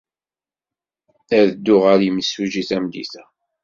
Ad dduɣ ɣer yimsujji tameddit-a.